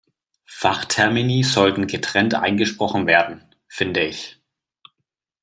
Fachtermini sollten getrennt eingesprochen werden, finde ich.